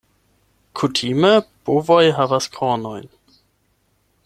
Kutime bovoj havas kornojn.